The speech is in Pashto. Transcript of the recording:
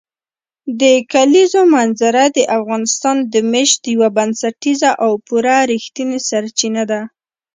د کلیزو منظره د افغانانو د معیشت یوه بنسټیزه او پوره رښتینې سرچینه ده.